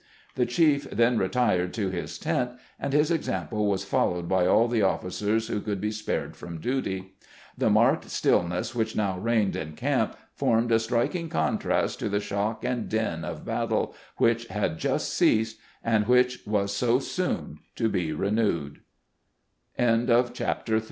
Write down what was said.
The chief then retired to his tent, and his example was followed by all the officers who could be spared from duty. The marked stillness which now reigned in camp formed a striking contrast to the shock and din of battle which had just ceased, and which was so